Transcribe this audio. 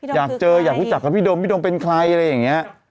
อยากเจออยากรู้จักกับพี่โดมพี่โดมเป็นใครอะไรอย่างนี้